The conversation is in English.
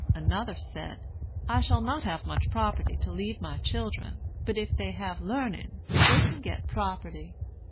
Another said, 'I shall not have much property to leave my children; but if they have learning they can get property.'